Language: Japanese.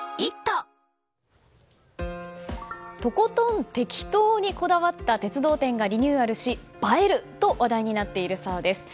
とことんてきとにこだわった鉄道展がリニューアルし、映えると話題になっているそうです。